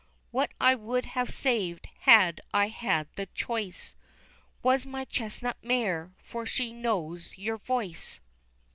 What I would have saved had I had the choice, Was my chestnut mare, for she knows your voice.